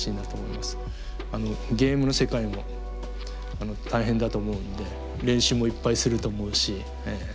ゲームの世界も大変だと思うんで練習もいっぱいすると思うし